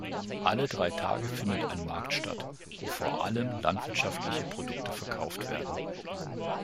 Alle drei Tage findet ein Markt statt, wo vor allem landwirtschaftliche Produkte verkauft werden.